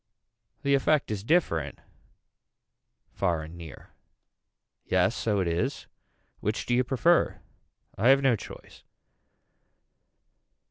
The effect is different far and near. Yes so it is. Which do you prefer. I have no choice.